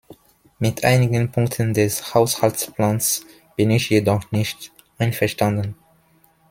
Mit einigen Punkten des Haushaltsplans bin ich jedoch nicht einverstanden.